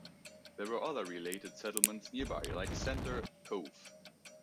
There were other related settlements nearby like Centre Cove.